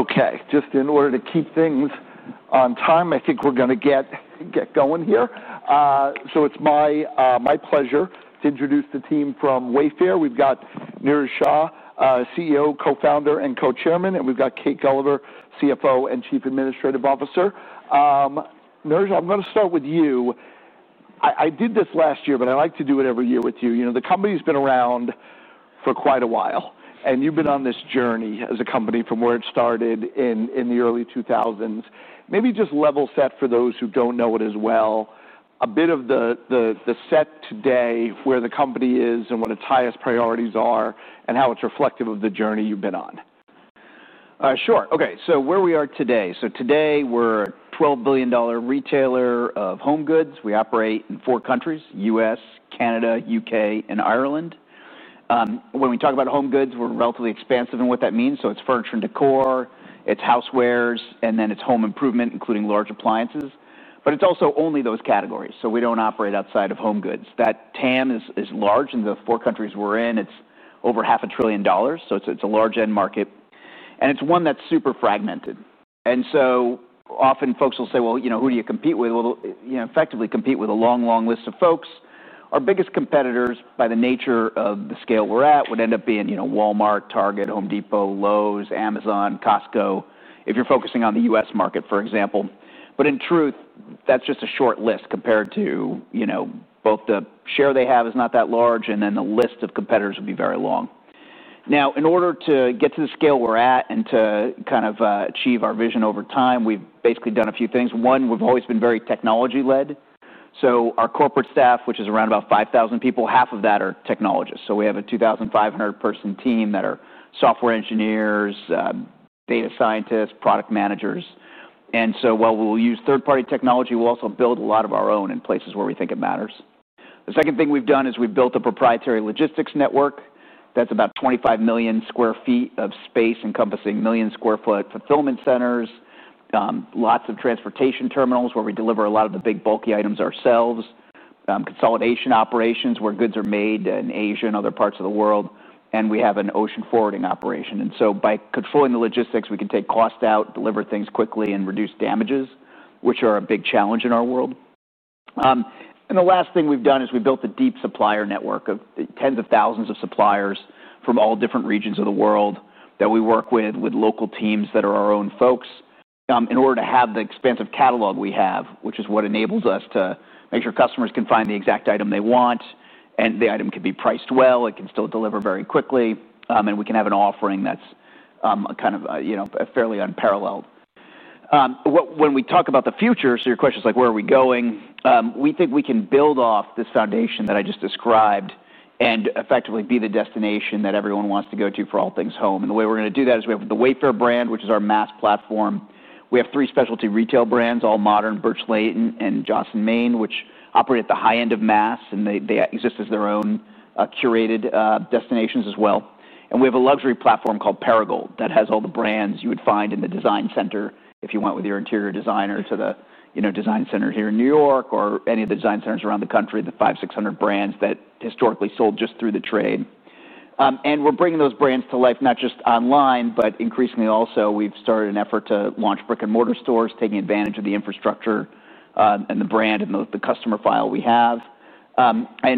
Okay, just in order to keep things on time, I think we're going to get going here. It's my pleasure to introduce the team from Wayfair. We've got Niraj Shah, CEO, Co-Founder, and Co-Chairman, and we've got Kate Gulliver, CFO and Chief Administrative Officer. Niraj, I'm going to start with you. I did this last year, but I like to do it every year with you. You know, the company's been around for quite a while, and you've been on this journey as a company from where it started in the early 2000s. Maybe just level set for those who don't know it as well, a bit of the set today of where the company is and what its highest priorities are and how it's reflective of the journey you've been on. Sure. Okay, so where we are today. Today we're a $12 billion retailer of home goods. We operate in four countries: the U.S., Canada, UK, and Ireland. When we talk about home goods, we're relatively expansive in what that means. It's furniture and decor, it's housewares, and then it's home improvement, including large appliances. It's also only those categories. We don't operate outside of home goods. That TAM is large. In the four countries we're in, it's over $0.5 trillion. It's a large end market, and it's one that's super fragmented. Often folks will say, you know, who do you compete with? You know, effectively compete with a long, long list of folks. Our biggest competitors, by the nature of the scale we're at, would end up being Walmart, Target, Home Depot, Lowe's, Amazon, Costco, if you're focusing on the U.S. market, for example. In truth, that's just a short list compared to, you know, both the share they have is not that large, and then the list of competitors would be very long. In order to get to the scale we're at and to kind of achieve our vision over time, we've basically done a few things. One, we've always been very technology-led. Our corporate staff, which is around about 5,000 people, half of that are technologists. We have a 2,500-person team that are software engineers, data scientists, product managers. While we'll use third-party technology, we'll also build a lot of our own in places where we think it matters. The second thing we've done is we've built a proprietary logistics network that's about 25 million square feet of space encompassing million square foot fulfillment centers, lots of transportation terminals where we deliver a lot of the big bulky items ourselves, consolidation operations where goods are made in Asia and other parts of the world, and we have an ocean forwarding operation. By controlling the logistics, we can take cost out, deliver things quickly, and reduce damages, which are a big challenge in our world. The last thing we've done is we built a deep supplier network of tens of thousands of suppliers from all different regions of the world that we work with, with local teams that are our own folks, in order to have the expansive catalog we have, which is what enables us to make sure customers can find the exact item they want, and the item can be priced well, it can still deliver very quickly, and we can have an offering that's kind of, you know, fairly unparalleled. When we talk about the future, your question is like, where are we going? We think we can build off this foundation that I just described and effectively be the destination that everyone wants to go to for all things home. The way we're going to do that is we have the Wayfair brand, which is our mass platform. We have three specialty retail brands, AllModern, Birch Lane, and Joss & Main, which operate at the high end of mass, and they exist as their own curated destinations as well. We have a luxury platform called Perigold that has all the brands you would find in the design center if you went with your interior designer to the, you know, design center here in New York or any of the design centers around the country, the five, six hundred brands that historically sold just through the trade. We're bringing those brands to life, not just online, but increasingly also we've started an effort to launch brick-and-mortar stores, taking advantage of the infrastructure and the brand and the customer file we have.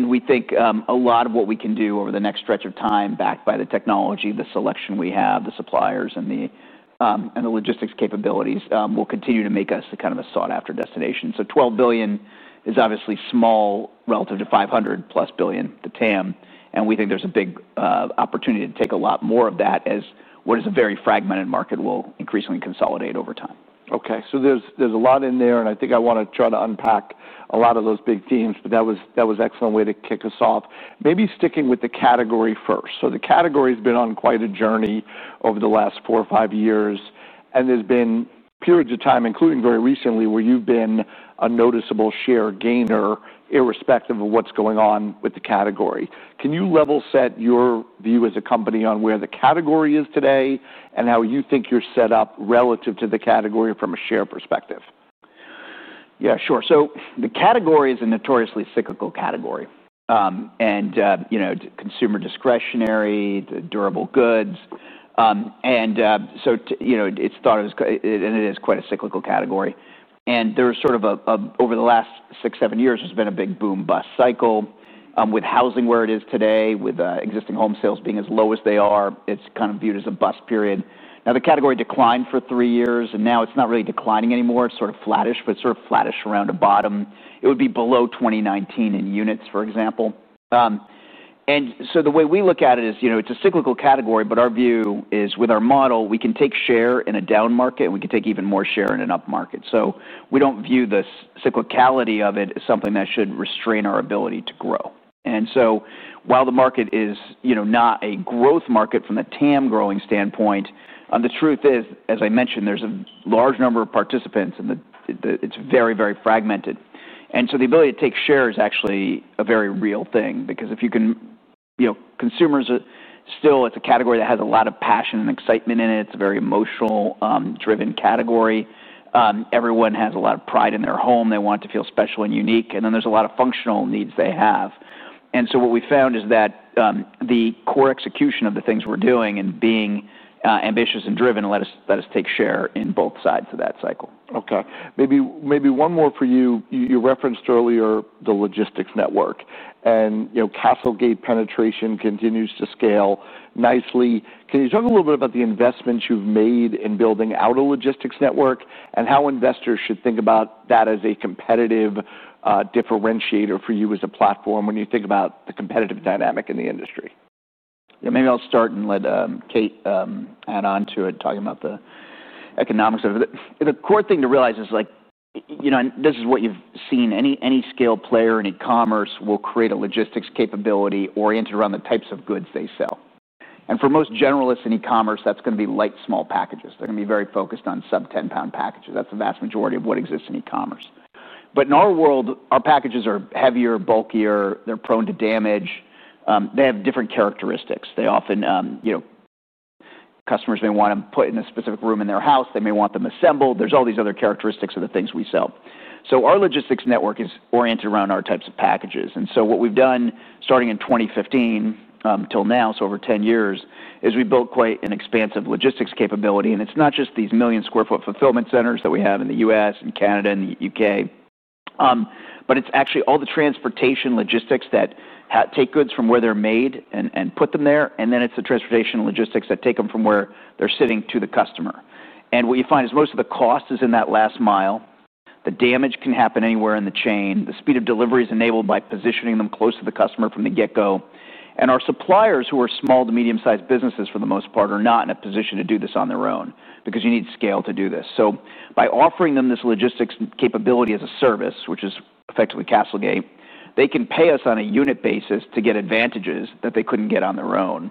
We think a lot of what we can do over the next stretch of time, backed by the technology, the selection we have, the suppliers, and the logistics capabilities, will continue to make us a kind of a sought-after destination. $12 billion is obviously small relative to $500+ billion, the total addressable market, and we think there's a big opportunity to take a lot more of that as what is a very fragmented market will increasingly consolidate over time. Okay, so there's a lot in there, and I think I want to try to unpack a lot of those big themes, but that was an excellent way to kick us off. Maybe sticking with the category first. The category has been on quite a journey over the last four or five years, and there's been periods of time, including very recently, where you've been a noticeable share gainer irrespective of what's going on with the category. Can you level set your view as a company on where the category is today and how you think you're set up relative to the category from a share perspective? Yeah, sure. The category is a notoriously cyclical category, you know, consumer discretionary, durable goods, and you know, it's thought of as, and it is quite a cyclical category. There was sort of a, over the last six, seven years, there's been a big boom-bust cycle with housing where it is today, with existing home sales being as low as they are. It's kind of viewed as a bust period. The category declined for three years, and now it's not really declining anymore. It's sort of flattish, but it's sort of flattish around a bottom. It would be below 2019 in units, for example. The way we look at it is, you know, it's a cyclical category, but our view is with our model, we can take share in a down market, and we can take even more share in an up market. We don't view the cyclicality of it as something that should restrain our ability to grow. While the market is, you know, not a growth market from the total addressable market growing standpoint, the truth is, as I mentioned, there's a large number of participants, and it's very, very fragmented. The ability to take share is actually a very real thing because if you can, you know, consumers are still, it's a category that has a lot of passion and excitement in it. It's a very emotional-driven category. Everyone has a lot of pride in their home. They want to feel special and unique. There are a lot of functional needs they have. What we found is that the core execution of the things we're doing and being ambitious and driven let us take share in both sides of that cycle. Okay, maybe one more for you. You referenced earlier the logistics network, and you know, CastleGate penetration continues to scale nicely. Can you talk a little bit about the investments you've made in building out a logistics network and how investors should think about that as a competitive differentiator for you as a platform when you think about the competitive dynamic in the industry? Yeah, maybe I'll start and let Kate add on to it, talking about the economics of it. The core thing to realize is, like, you know, and this is what you've seen, any scale player in e-commerce will create a logistics capability oriented around the types of goods they sell. For most generalists in e-commerce, that's going to be light, small packages. They're going to be very focused on sub-ten-pound packages. That's the vast majority of what exists in e-commerce. In our world, our packages are heavier, bulkier. They're prone to damage. They have different characteristics. They often, you know, customers may want them put in a specific room in their house. They may want them assembled. There are all these other characteristics of the things we sell. Our logistics network is oriented around our types of packages. What we've done, starting in 2015 till now, so over 10 years, is we built quite an expansive logistics capability. It's not just these million sq ft fulfillment centers that we have in the U.S. and Canada and the UK, but it's actually all the transportation logistics that take goods from where they're made and put them there. It's the transportation logistics that take them from where they're sitting to the customer. What you find is most of the cost is in that last mile. The damage can happen anywhere in the chain. The speed of delivery is enabled by positioning them close to the customer from the get-go. Our suppliers, who are small to medium-sized businesses for the most part, are not in a position to do this on their own because you need scale to do this. By offering them this logistics capability as a service, which is effectively CastleGate, they can pay us on a unit basis to get advantages that they couldn't get on their own.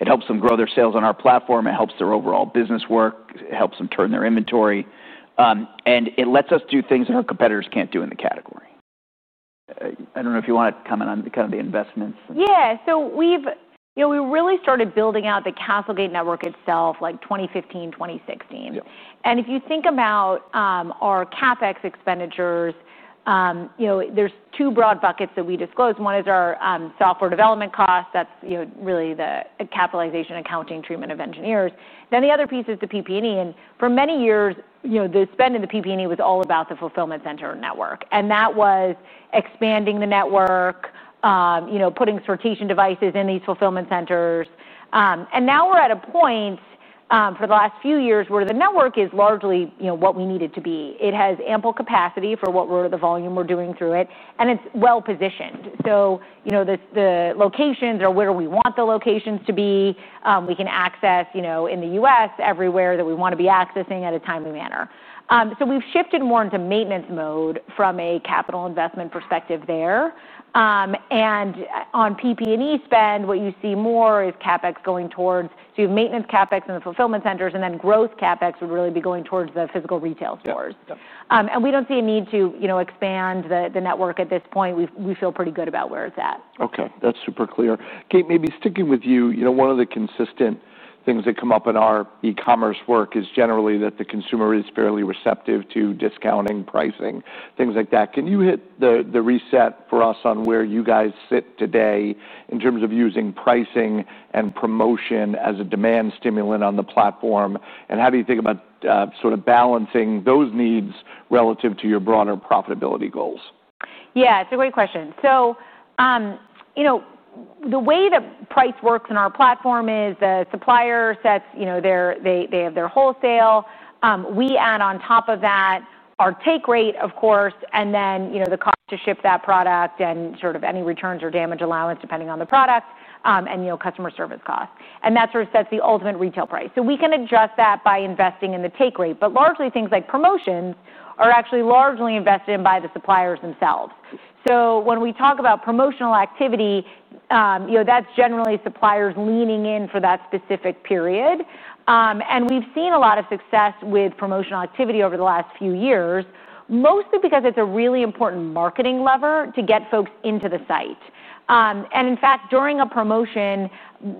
It helps them grow their sales on our platform. It helps their overall business work. It helps them turn their inventory. It lets us do things that our competitors can't do in the category. I don't know if you want to comment on kind of the investments. Yeah, so we've, you know, we really started building out the CastleGate network itself like 2015, 2016. If you think about our CapEx expenditures, there's two broad buckets that we disclose. One is our software development costs. That's really the capitalization accounting treatment of engineers. The other piece is the PP&E. For many years, the spend in the PP&E was all about the fulfillment center network. That was expanding the network, putting sortation devices in these fulfillment centers. Now we're at a point for the last few years where the network is largely what we need it to be. It has ample capacity for the volume we're doing through it, and it's well positioned. The locations are where we want the locations to be. We can access, in the U.S., everywhere that we want to be accessing in a timely manner. We've shifted more into maintenance mode from a capital investment perspective there. On PP&E spend, what you see more is CapEx going towards maintenance CapEx in the fulfillment centers, and then growth CapEx would really be going towards the physical retail stores. We don't see a need to expand the network at this point. We feel pretty good about where it's at. Okay, that's super clear. Kate, maybe sticking with you, one of the consistent things that come up in our e-commerce work is generally that the consumer is fairly receptive to discounting, pricing, things like that. Can you hit the reset for us on where you guys sit today in terms of using pricing and promotion as a demand stimulant on the platform? How do you think about sort of balancing those needs relative to your broader profitability goals? Yeah, it's a great question. The way the price works in our platform is the supplier sets, you know, they have their wholesale. We add on top of that our take rate, of course, and then the cost to ship that product and sort of any returns or damage allowance depending on the product and customer service costs. That sort of sets the ultimate retail price. We can adjust that by investing in the take rate, but largely things like promotions are actually largely invested in by the suppliers themselves. When we talk about promotional activity, that's generally suppliers leaning in for that specific period. We've seen a lot of success with promotional activity over the last few years, mostly because it's a really important marketing lever to get folks into the site. In fact, during a promotion,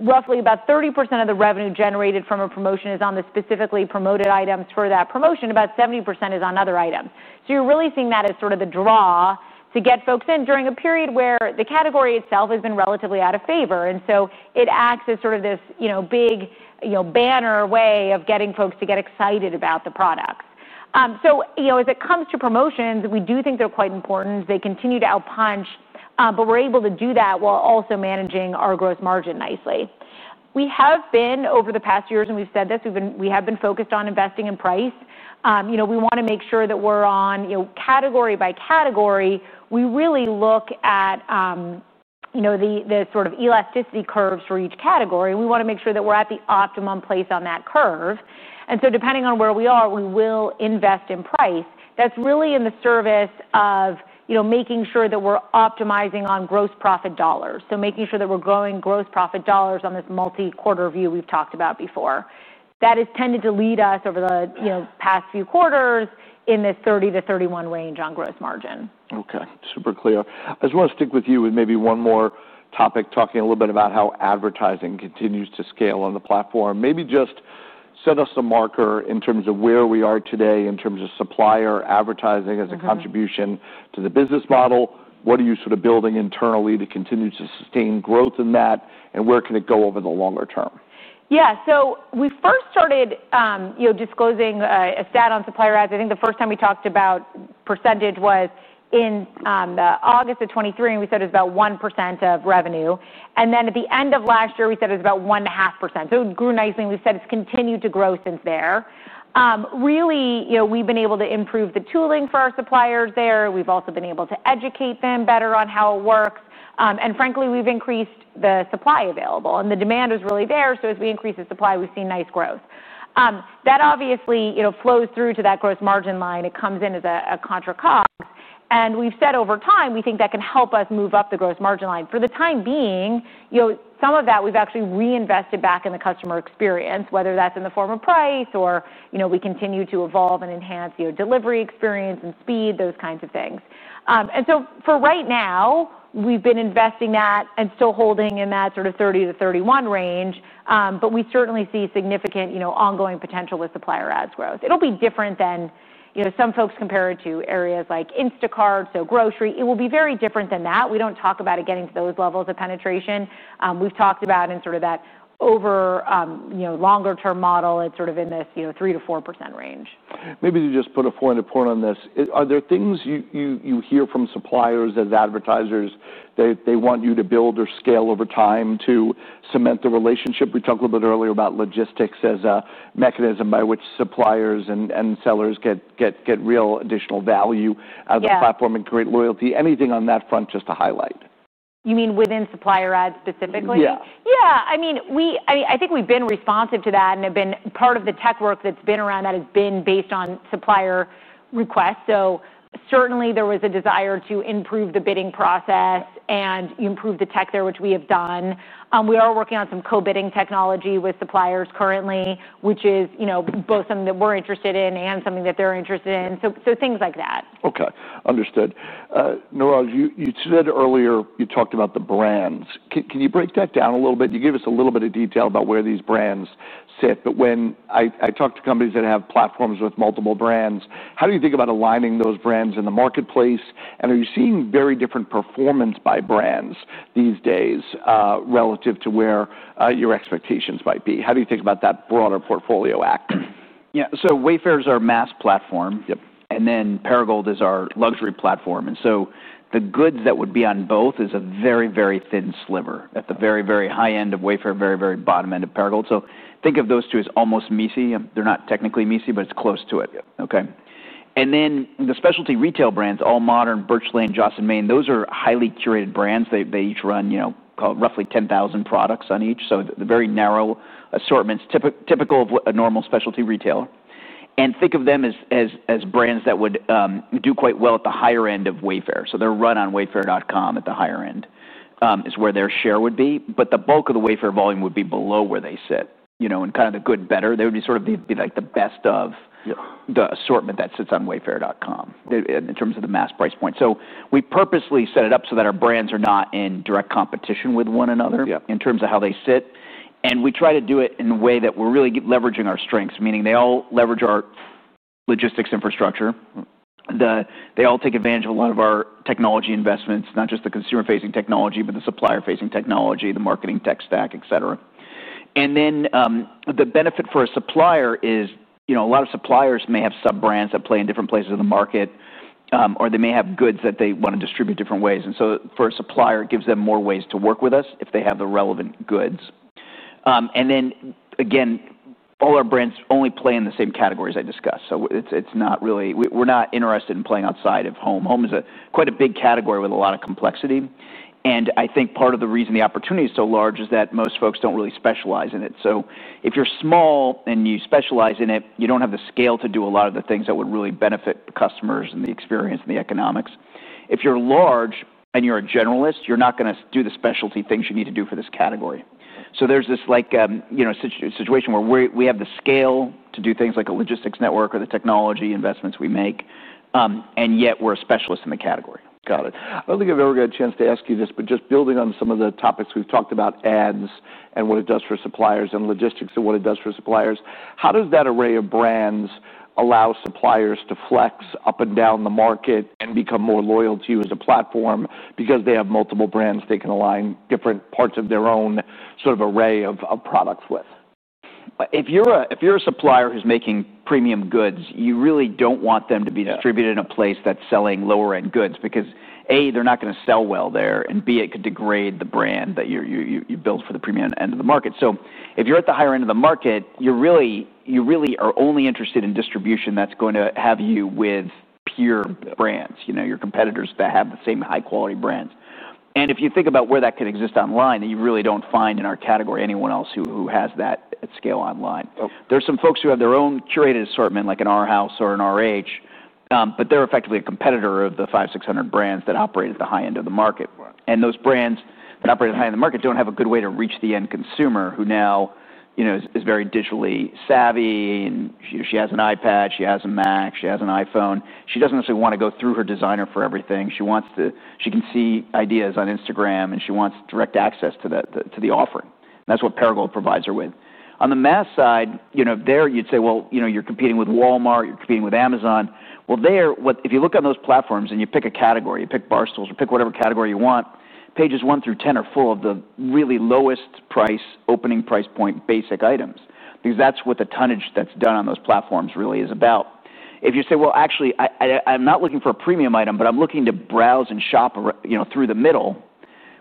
roughly about 30% of the revenue generated from a promotion is on the specifically promoted items for that promotion. About 70% is on other items. You're really seeing that as sort of the draw to get folks in during a period where the category itself has been relatively out of favor. It acts as sort of this big banner way of getting folks to get excited about the products. As it comes to promotions, we do think they're quite important. They continue to outpunch, but we're able to do that while also managing our gross margin nicely. We have been over the past years, and we've said this, we have been focused on investing in price. We want to make sure that we're on, category by category. We really look at the sort of elasticity curves for each category. We want to make sure that we're at the optimum place on that curve. Depending on where we are, we will invest in price. That's really in the service of making sure that we're optimizing on gross profit dollars. Making sure that we're growing gross profit dollars on this multi-quarter view we've talked about before. That has tended to lead us over the past few quarters in this 30%- 31% range on gross margin. Okay, super clear. I just want to stick with you with maybe one more topic, talking a little bit about how advertising continues to scale on the platform. Maybe just set us a marker in terms of where we are today in terms of supplier advertising as a contribution to the business model. What are you sort of building internally to continue to sustain growth in that? Where can it go over the longer term? Yeah, so we first started disclosing a stat on supplier ads. I think the first time we talked about percentage was in August of 2023, and we said it was about 1% of revenue. At the end of last year, we said it was about 1.5%. It grew nicely, and we said it's continued to grow since there. Really, we've been able to improve the tooling for our suppliers there. We've also been able to educate them better on how it works. Frankly, we've increased the supply available, and the demand is really there. As we increase the supply, we've seen nice growth. That obviously flows through to that gross margin line. It comes in as a contra cost. We've said over time, we think that can help us move up the gross margin line. For the time being, some of that we've actually reinvested back in the customer experience, whether that's in the form of price or we continue to evolve and enhance delivery experience and speed, those kinds of things. For right now, we've been investing that and still holding in that sort of 30%- 31% range. We certainly see significant ongoing potential with supplier ads growth. It'll be different than, you know, some folks compare it to areas like Instacart, so grocery. It will be very different than that. We don't talk about it getting to those levels of penetration. We've talked about in sort of that over longer-term model, it's sort of in this 3 %- 4% range. Maybe to just put a point on this, are there things you hear from suppliers as advertisers that they want you to build or scale over time to cement the relationship? We talked a little bit earlier about logistics as a mechanism by which suppliers and sellers get real additional value out of the platform and create loyalty. Anything on that front just to highlight? You mean within supplier ads specifically? Yeah. Yeah, I mean, I think we've been responsive to that and part of the tech work that's been around that has been based on supplier requests. Certainly, there was a desire to improve the bidding process and improve the tech there, which we have done. We are working on some co-bidding technology with suppliers currently, which is both something that we're interested in and something that they're interested in, things like that. Okay, understood. Niraj, you said earlier you talked about the brands. Can you break that down a little bit? You gave us a little bit of detail about where these brands sit, but when I talk to companies that have platforms with multiple brands, how do you think about aligning those brands in the marketplace? Are you seeing very different performance by brands these days relative to where your expectations might be? How do you think about that broader portfolio act? Yeah, so Wayfair is our mass platform. Yep. Perigold is our luxury platform. The goods that would be on both is a very, very thin sliver at the very, very high end of Wayfair, very, very bottom end of Perigold. Think of those two as almost messy. They're not technically messy, but it's close to it. The specialty retail brands, AllModern, Birch Lane, Joss & Main, those are highly curated brands. They each run, you know, call it roughly 10,000 products on each. The very narrow assortments are typical of a normal specialty retailer. Think of them as brands that would do quite well at the higher end of Wayfair. They're run on Wayfair.com at the higher end is where their share would be. The bulk of the Wayfair volume would be below where they sit, you know, and kind of the good better. They would be sort of like the best of the assortment that sits on Wayfair.com in terms of the mass price point. We purposely set it up so that our brands are not in direct competition with one another in terms of how they sit. We try to do it in a way that we're really leveraging our strengths, meaning they all leverage our logistics infrastructure. They all take advantage of a lot of our technology investments, not just the consumer-facing technology, but the supplier-facing technology, the marketing tech stack, etc. The benefit for a supplier is, you know, a lot of suppliers may have sub-brands that play in different places in the market, or they may have goods that they want to distribute different ways. For a supplier, it gives them more ways to work with us if they have the relevant goods. All our brands only play in the same categories I discussed. It's not really, we're not interested in playing outside of home. Home is quite a big category with a lot of complexity. I think part of the reason the opportunity is so large is that most folks don't really specialize in it. If you're small and you specialize in it, you don't have the scale to do a lot of the things that would really benefit the customers and the experience and the economics. If you're large and you're a generalist, you're not going to do the specialty things you need to do for this category. There's this situation where we have the scale to do things like a logistics network or the technology investments we make, and yet we're a specialist in the category. Got it. I don't think I've ever got a chance to ask you this, but just building on some of the topics we've talked about, ads and what it does for suppliers and logistics and what it does for suppliers, how does that array of brands allow suppliers to flex up and down the market and become more loyal to you as a platform because they have multiple brands they can align different parts of their own sort of array of products with? If you're a supplier who's making premium goods, you really don't want them to be distributed in a place that's selling lower-end goods because, A, they're not going to sell well there, and, B, it could degrade the brand that you built for the premium end of the market. If you're at the higher end of the market, you really are only interested in distribution that's going to have you with peer brands, your competitors that have the same high-quality brands. If you think about where that could exist online, you really don't find in our category anyone else who has that at scale online. There are some folks who have their own curated assortment like an R House or an RH, but they're effectively a competitor of the 500-600 brands that operate at the high end of the market. Those brands that operate at the high end of the market don't have a good way to reach the end consumer who now is very digitally savvy. She has an iPad, she has a Mac, she has an iPhone. She doesn't necessarily want to go through her designer for everything. She wants to, she can see ideas on Instagram and she wants direct access to the offering. That's what Perigold provides her with. On the mass side, you'd say you're competing with Walmart, you're competing with Amazon. If you look on those platforms and you pick a category, you pick bar stools or pick whatever category you want, pages one through 10 are full of the really lowest price opening price point basic items. That's what the tonnage that's done on those platforms really is about. If you say, actually, I'm not looking for a premium item, but I'm looking to browse and shop through the middle,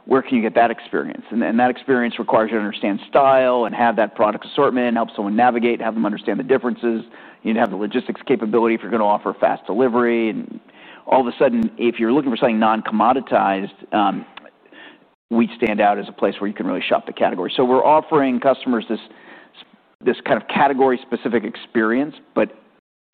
where can you get that experience? That experience requires you to understand style and have that product assortment and help someone navigate and have them understand the differences. You need to have the logistics capability if you're going to offer fast delivery. All of a sudden, if you're looking for something non-commoditized, we stand out as a place where you can really shop the category. We're offering customers this kind of category-specific experience, but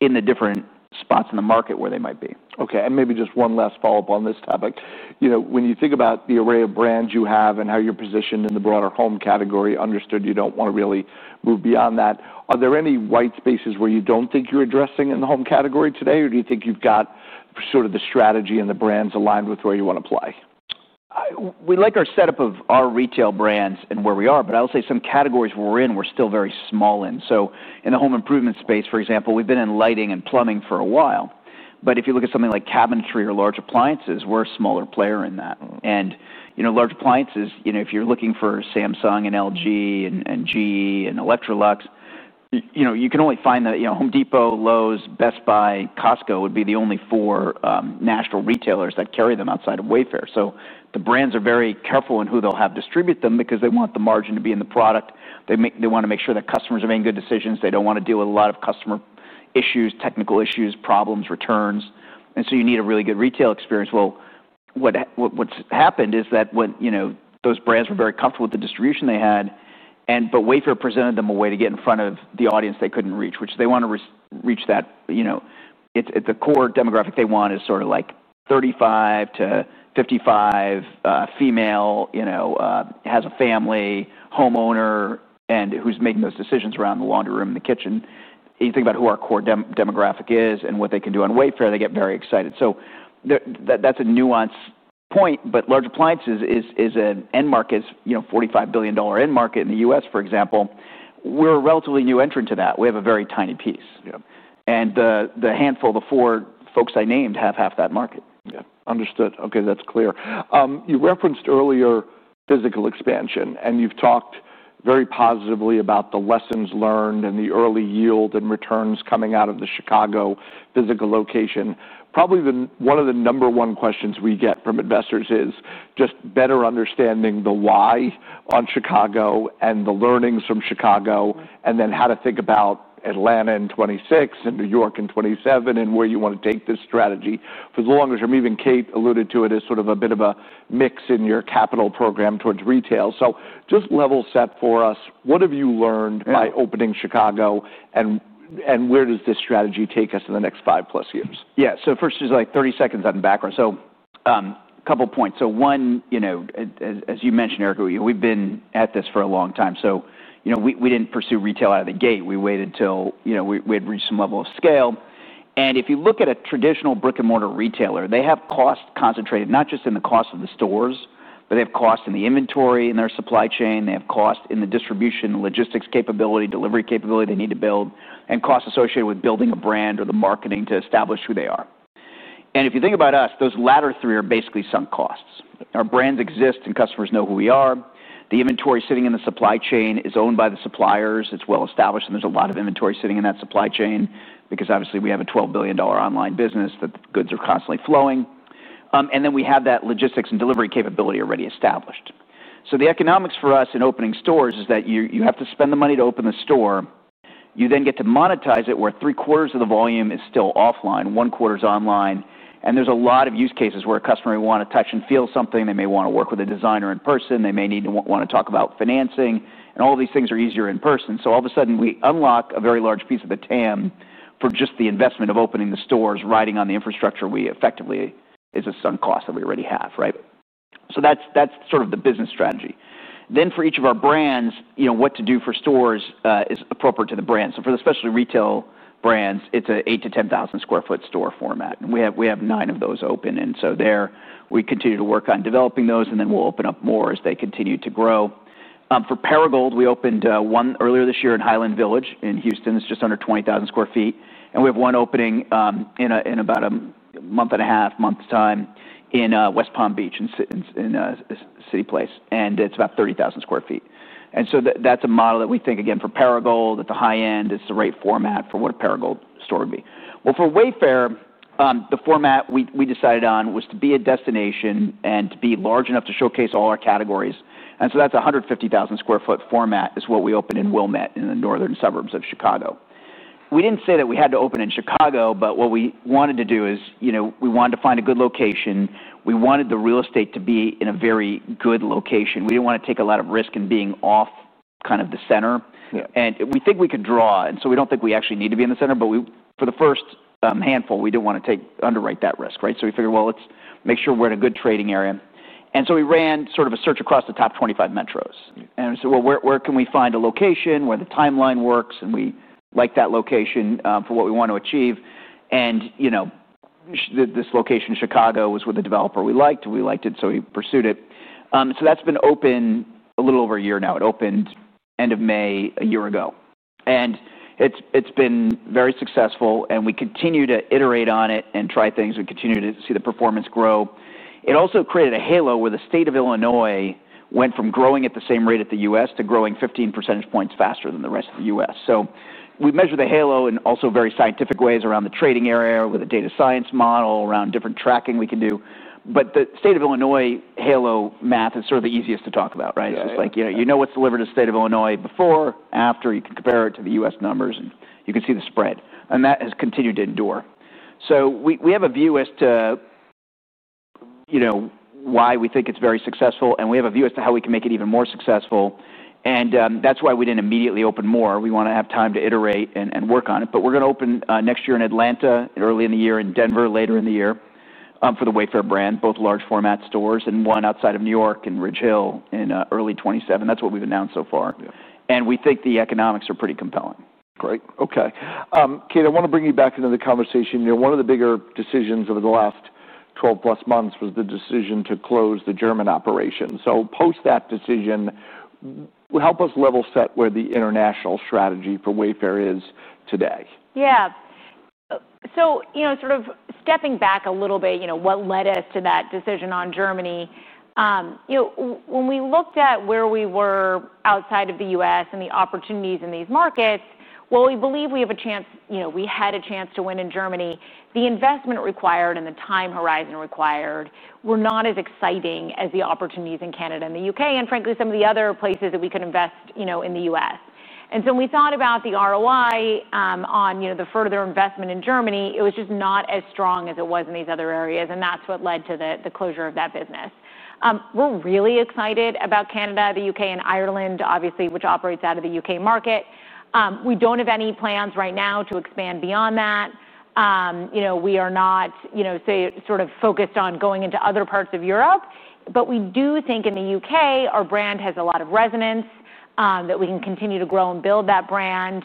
in the different spots in the market where they might be. Okay, and maybe just one last follow-up on this topic. You know, when you think about the array of brands you have and how you're positioned in the broader home category, understood you don't want to really move beyond that. Are there any white spaces where you don't think you're addressing in the home category today, or do you think you've got sort of the strategy and the brands aligned with where you want to play? We like our setup of our retail brands and where we are, but I'll say some categories we're in, we're still very small in. In the home improvement space, for example, we've been in lighting and plumbing for a while. If you look at something like cabinetry or large appliances, we're a smaller player in that. Large appliances, if you're looking for Samsung and LG and GE and Electrolux, you can only find that at Home Depot, Lowe's, Best Buy, Costco would be the only four national retailers that carry them outside of Wayfair. The brands are very careful in who they'll have distribute them because they want the margin to be in the product. They want to make sure that customers are making good decisions. They don't want to deal with a lot of customer issues, technical issues, problems, returns. You need a really good retail experience. What's happened is that when those brands were very comfortable with the distribution they had, Wayfair presented them a way to get in front of the audience they couldn't reach, which they want to reach that, the core demographic they want is sort of like 35 years to 55 years old female, has a family, homeowner, and who's making those decisions around the laundry room and the kitchen. You think about who our core demographic is and what they can do on Wayfair, they get very excited. That's a nuanced point, but large appliances is an end market, $45 billion end market in the U.S., for example. We're a relatively new entrant to that. We have a very tiny piece. The handful of the four folks I named have half that market. Yeah, understood. Okay, that's clear. You referenced earlier physical expansion, and you've talked very positively about the lessons learned and the early yield and returns coming out of the Chicago physical location. Probably one of the number one questions we get from investors is just better understanding the why on Chicago and the learnings from Chicago, and then how to think about Atlanta in 2026 and New York in 2027 and where you want to take this strategy. For the longest term, even Kate alluded to it as sort of a bit of a mix in your capital program towards retail. Just level set for us. What have you learned by opening Chicago, and where does this strategy take us in the next five+ years? Yeah, so first is like 30 seconds on the background. A couple of points. One, you know, as you mentioned, Ygal, we've been at this for a long time. We didn't pursue retail out of the gate. We waited until we had reached some level of scale. If you look at a traditional brick-and-mortar retailer, they have cost concentrated not just in the cost of the stores, but they have cost in the inventory in their supply chain. They have cost in the distribution, logistics capability, delivery capability they need to build, and cost associated with building a brand or the marketing to establish who they are. If you think about us, those latter three are basically sunk costs. Our brands exist and customers know who we are. The inventory sitting in the supply chain is owned by the suppliers. It's well established, and there's a lot of inventory sitting in that supply chain because obviously we have a $12 billion online business. The goods are constantly flowing. We have that logistics and delivery capability already established. The economics for us in opening stores is that you have to spend the money to open the store. You then get to monetize it where three quarters of the volume is still offline, one quarter is online. There are a lot of use cases where a customer may want to touch and feel something. They may want to work with a designer in person. They may want to talk about financing. All of these things are easier in person. All of a sudden, we unlock a very large piece of the TAM for just the investment of opening the stores, riding on the infrastructure we effectively is a sunk cost that we already have, right? That's sort of the business strategy. For each of our brands, what to do for stores is appropriate to the brand. For the specialty retail brands, it's an eight to ten thousand square foot store format. We have nine of those open. We continue to work on developing those, and then we'll open up more as they continue to grow. For Perigold, we opened one earlier this year in Highland Village in Houston. It's just under 20,000 sq ft. We have one opening in about a month and a half, month's time in West Palm Beach in City Place. It's about 30,000 sq ft. That's a model that we think, again, for Perigold at the high end is the right format for what a Perigold store would be. For Wayfair, the format we decided on was to be a destination and to be large enough to showcase all our categories. That 150,000 sq ft format is what we opened in Wilmette in the northern suburbs of Chicago. We did not say that we had to open in Chicago, but what we wanted to do is, you know, we wanted to find a good location. We wanted the real estate to be in a very good location. We did not want to take a lot of risk in being off kind of the center. We think we could draw. We do not think we actually need to be in the center, but for the first handful, we did not want to underwrite that risk, right? We figured, let's make sure we're in a good trading area. We ran sort of a search across the top 25 metros. We said, where can we find a location where the timeline works? We like that location for what we want to achieve. This location in Chicago was with a developer we liked. We liked it, so we pursued it. That has been open a little over a year now. It opened end of May a year ago. It has been very successful. We continue to iterate on it and try things. We continue to see the performance grow. It also created a halo where the state of Illinois went from growing at the same rate as the U.S. to growing 15% faster than the rest of the U.S. We measure the halo in also very scientific ways around the trading area with a data science model around different tracking we can do. The state of Illinois halo math is sort of the easiest to talk about, right? You know what's delivered to the state of Illinois before, after you can compare it to the U.S. numbers, and you can see the spread. That has continued to endure. We have a view as to why we think it's very successful. We have a view as to how we can make it even more successful. That is why we did not immediately open more. We want to have time to iterate and work on it. We are going to open next year in Atlanta, early in the year, in Denver, later in the year for the Wayfair brand, both large format stores, and one outside of New York in Ridge Hill in early 2027. That is what we have announced so far. We think the economics are pretty compelling. Great. Okay. Kate, I want to bring you back into the conversation. You know, one of the bigger decisions over the last 12+ months was the decision to close the German operation. Post that decision, help us level set where the international strategy for Wayfair is today. Yeah. So, sort of stepping back a little bit, what led us to that decision on Germany. When we looked at where we were outside of the U.S. and the opportunities in these markets, we believe we have a chance, we had a chance to win in Germany. The investment required and the time horizon required were not as exciting as the opportunities in Canada and the UK and frankly some of the other places that we could invest in the U.S. When we thought about the ROI on the further investment in Germany, it was just not as strong as it was in these other areas. That is what led to the closure of that business. We're really excited about Canada, the UK, and Ireland, obviously, which operates out of the UK market. We don't have any plans right now to expand beyond that. We are not focused on going into other parts of Europe. We do think in the UK, our brand has a lot of resonance, that we can continue to grow and build that brand.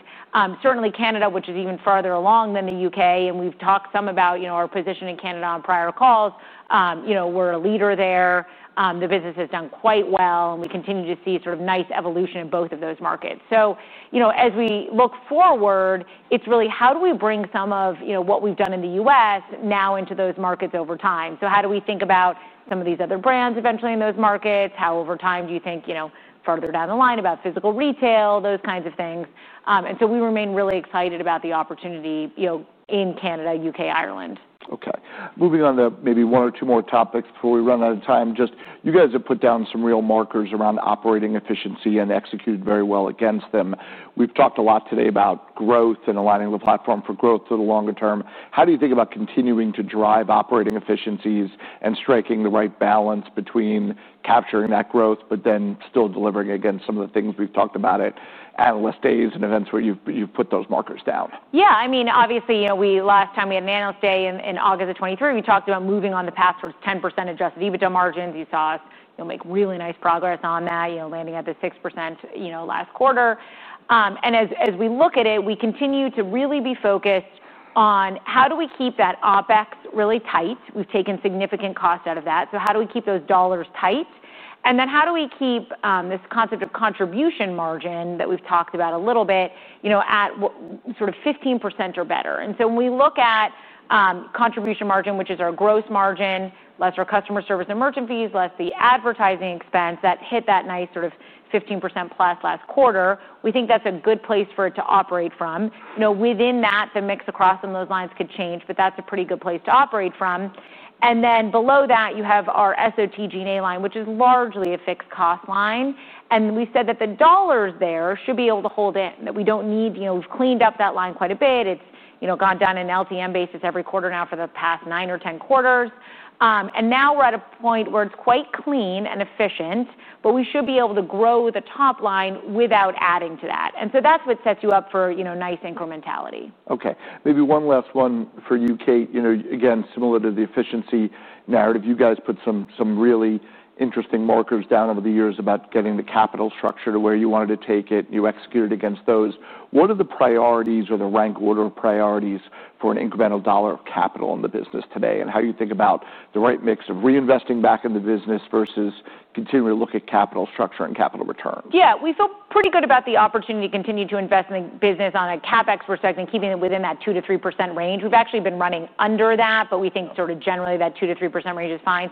Certainly, Canada, which is even farther along than the UK, and we've talked some about our position in Canada on prior calls, we're a leader there. The business has done quite well, and we continue to see nice evolution in both of those markets. As we look forward, it's really how do we bring some of what we've done in the U.S. now into those markets over time? How do we think about some of these other brands eventually in those markets? How over time do you think, farther down the line about physical retail, those kinds of things? We remain really excited about the opportunity in Canada, UK, Ireland. Okay. Moving on to maybe one or two more topics before we run out of time. You guys have put down some real markers around operating efficiency and execute very well against them. We've talked a lot today about growth and aligning the platform for growth to the longer term. How do you think about continuing to drive operating efficiencies and striking the right balance between capturing that growth, but then still delivering against some of the things we've talked about at analyst days and events where you've put those markers down? Yeah, I mean, obviously, last time we had an Analyst ay in August of 2023, we talked about moving on the path towards 10% adjusted EBITDA margins. You saw us make really nice progress on that, landing at the 6% last quarter. As we look at it, we continue to really be focused on how do we keep that OpEx really tight. We've taken significant cost out of that. How do we keep those dollars tight? How do we keep this concept of contribution margin that we've talked about a little bit at sort of 15% or better? When we look at contribution margin, which is our gross margin, less our customer service and merchant fees, less the advertising expense that hit that nice sort of 15% plus last quarter, we think that's a good place for it to operate from. Within that, the mix across in those lines could change, but that's a pretty good place to operate from. Below that, you have our SG&A line, which is largely a fixed cost line. We said that the dollars there should be able to hold in, that we don't need, we've cleaned up that line quite a bit. It's gone down on an LTM basis every quarter now for the past nine or 10 quarters. Now we're at a point where it's quite clean and efficient, but we should be able to grow the top line without adding to that. That's what sets you up for nice incrementality. Okay, maybe one last one for you, Kate. You know, again, similar to the efficiency narrative, you guys put some really interesting markers down over the years about getting the capital structure to where you wanted to take it. You executed against those. What are the priorities or the rank order of priorities for an incremental dollar of capital in the business today? How do you think about the right mix of reinvesting back in the business versus continuing to look at capital structure and capital returns? Yeah, we feel pretty good about the opportunity to continue to invest in the business on a CapEx perspective, keeping it within that 2%- 3% range. We've actually been running under that, but we think sort of generally that 2 %- 3% range is fine.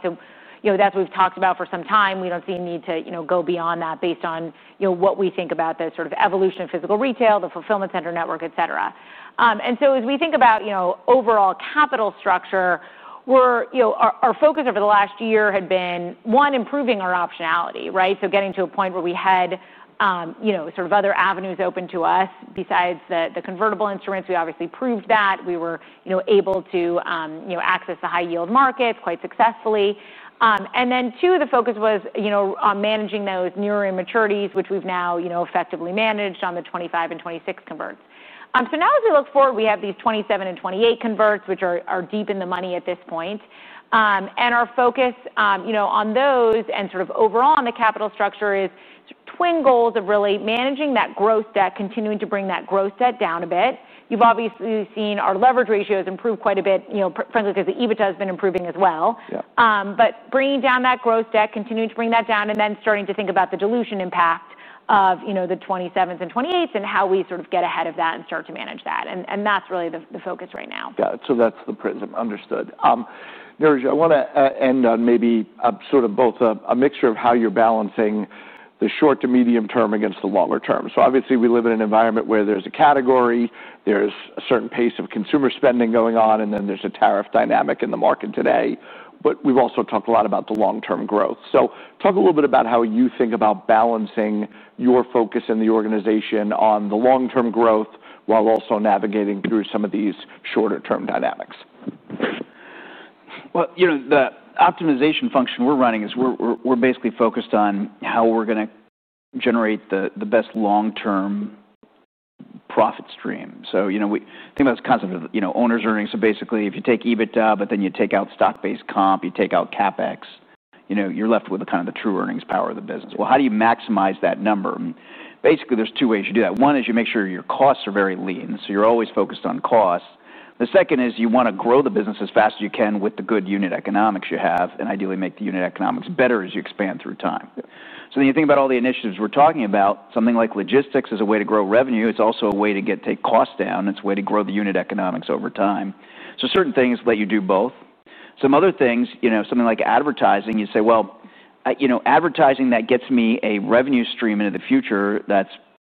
That's what we've talked about for some time. We don't see a need to go beyond that based on what we think about the sort of evolution of physical retail, the fulfillment center network, etc. As we think about overall capital structure, our focus over the last year had been, one, improving our optionality, right? Getting to a point where we had sort of other avenues open to us besides the convertible instruments. We obviously proved that we were able to access the high yield markets quite successfully. Two, the focus was on managing those nearer maturities, which we've now effectively managed on the 2025 and 2026 converts. Now as we look forward, we have these 2027 and 2028 converts, which are deep in the money at this point. Our focus on those and overall on the capital structure is twin goals of really managing that growth debt, continuing to bring that growth debt down a bit. You've obviously seen our leverage ratios improve quite a bit, frankly, because the EBITDA has been improving as well. Bringing down that growth debt, continuing to bring that down, and then starting to think about the dilution impact of the 2027s and 2028s and how we sort of get ahead of that and start to manage that. That's really the focus right now. Got it. That's the prism. Understood. Niraj, I want to end on maybe sort of both a mixture of how you're balancing the short to medium term against the longer term. Obviously, we live in an environment where there's a category, there's a certain pace of consumer spending going on, and there's a tariff dynamic in the market today. We've also talked a lot about the long-term growth. Talk a little bit about how you think about balancing your focus in the organization on the long-term growth while also navigating through some of these shorter-term dynamics. The optimization function we're running is we're basically focused on how we're going to generate the best long-term profit stream. We think about this concept of owner's earnings. Basically, if you take EBITDA, but then you take out stock-based comp, you take out CapEx, you're left with kind of the true earnings power of the business. How do you maximize that number? Basically, there's two ways you do that. One is you make sure your costs are very lean, so you're always focused on costs. The second is you want to grow the business as fast as you can with the good unit economics you have and ideally make the unit economics better as you expand through time. You think about all the initiatives we're talking about. Something like logistics is a way to grow revenue. It's also a way to take costs down. It's a way to grow the unit economics over time. Certain things let you do both. Some other things, something like advertising, you say, advertising that gets me a revenue stream into the future that's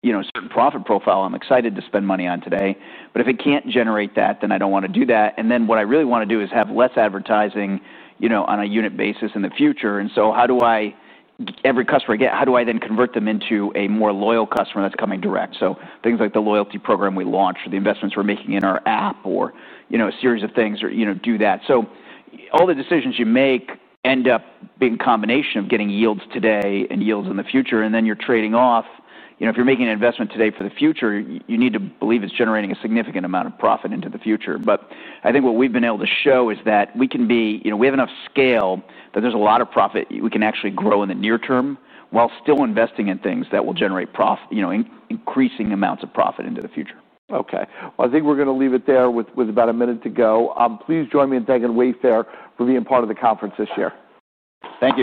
a certain profit profile I'm excited to spend money on today. If it can't generate that, then I don't want to do that. What I really want to do is have less advertising on a unit basis in the future. How do I, every customer I get, how do I then convert them into a more loyal customer that's coming direct? Things like the loyalty program we launched or the investments we're making in our app or a series of things do that. All the decisions you make end up being a combination of getting yields today and yields in the future. You're trading off, if you're making an investment today for the future, you need to believe it's generating a significant amount of profit into the future. I think what we've been able to show is that we can be, we have enough scale that there's a lot of profit we can actually grow in the near term while still investing in things that will generate increasing amounts of profit into the future. Okay. I think we're going to leave it there with about a minute to go. Please join me in thanking Wayfair for being part of the conference this year. Thank you.